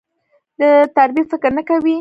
د تربيې فکر نه کوي.